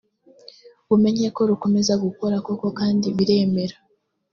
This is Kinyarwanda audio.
bumenye ko rukomeza gukora koko kandi biremera